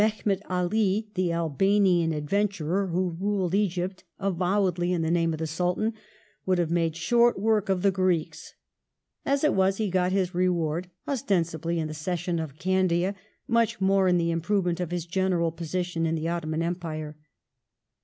64 seq, 1841] TREATY OF UNKIER SKELESSI 153 Mehemet Ali, the Albanian adventurer who ruled Egypt avowedly in the name of the Sultan, would have made short work of the Greeks. As it was he got his reward, ostensibly in the cession of Candia, much more in the improvement of his general position in the Ottoman Empire.